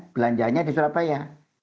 belanjanya di surabaya